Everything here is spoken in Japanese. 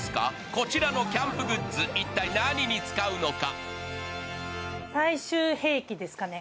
こちらのキャンプグッズ、一体何に使うのか。